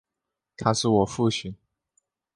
他是我父亲